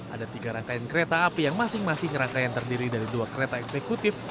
ada tiga rangkaian kereta api yang masing masing rangkaian terdiri dari dua kereta eksekutif